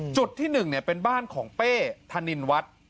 จุดที่๑เป็นบ้านของเป้ธนินวัฒน์